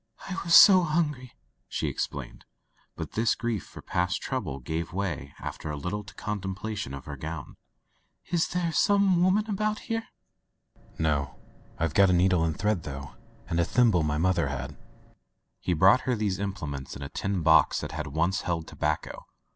"I was so hungry," she explained. But this grief for past trouble gave way after a little to contemplation of her gown. " Is there some woman about here ?" Digitized by LjOOQ IC Interventions "No. Tvc got a needle and thread, though, and a thimble my mother had/' He brought her these implements in a tin box that had once held tobacco.